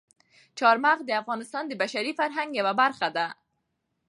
چار مغز د افغانستان د بشري فرهنګ یوه برخه ده.